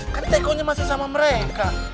kan tekonya masih sama mereka